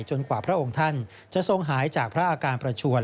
กว่าพระองค์ท่านจะทรงหายจากพระอาการประชวน